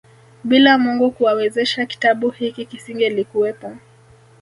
Bila Mungu kuwawezesha kitabu hiki kisingelikuwepo